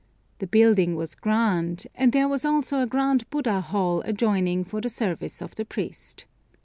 The building was grand, and there was also a grand Buddha hall adjoining for the service of the priest.